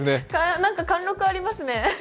なんか貫禄ありますね。